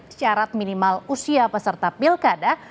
syarat minimal usia peserta pilkada